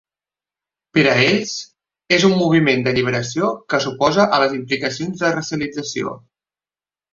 Per a ells, és un moviment d'alliberació que s'oposa a les implicacions de "racialització".